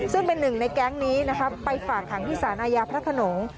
ซึ่งเป็นหนึ่งในแก๊งนี้นะครับไปฝากขังที่สารอาญาพระขนง